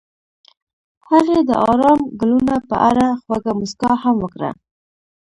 هغې د آرام ګلونه په اړه خوږه موسکا هم وکړه.